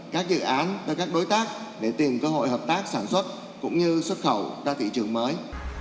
các dự án và các đối tác để tìm cơ hội hợp tác sản xuất cũng như xuất khẩu ra thị trường mới